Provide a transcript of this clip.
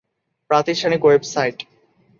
প্রাতিষ্ঠানিক ওয়েবসাইট